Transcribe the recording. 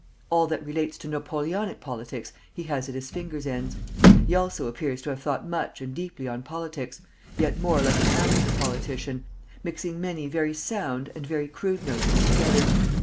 All that relates to Napoleonic politics he has at his finger's ends. He also appears to have thought much and deeply on politics, yet more like an amateur politician, mixing many very sound and very crude notions together.